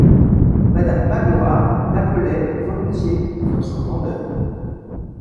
Madame Magloire l’appelait volontiers Votre Grandeur.